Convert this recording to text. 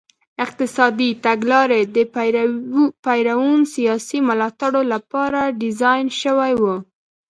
اقتصادي تګلارې د پېرون سیاسي ملاتړو لپاره ډیزاین شوې وې.